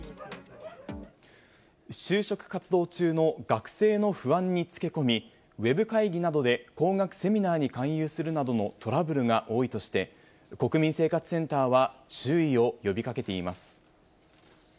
就職活動中の学生の不安につけ込み、ウェブ会議などで高額セミナーに勧誘するなどのトラブルが多いとして、国民生活センターは注意を呼びかけています。